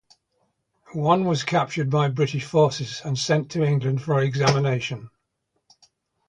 One was captured by British forces and sent to England for examination.